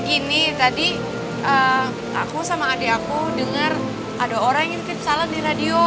gini tadi aku sama adik aku dengar ada orang yang tip salam di radio